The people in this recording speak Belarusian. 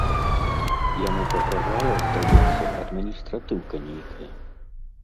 Яму пагражала, здаецца, адміністратыўка нейкая.